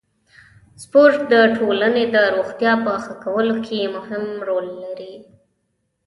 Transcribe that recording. سپورت د ټولنې د روغتیا په ښه کولو کې مهم رول لري.